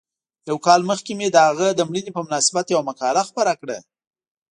یو کال مخکې مې د هغه د مړینې په مناسبت یوه مقاله خپره کړه.